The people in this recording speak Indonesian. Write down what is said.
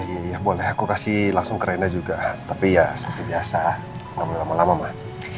iya boleh aku kasih langsung kerennya juga tapi ya seperti biasa nggak boleh lama lama mbak